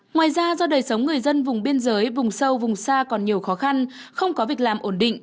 ngoài ra do đời sống người dân vùng biên giới vùng sâu vùng xa còn nhiều khó khăn không có việc làm ổn định